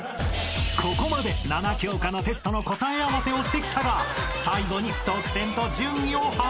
［ここまで７教科のテストの答え合わせをしてきたが最後に］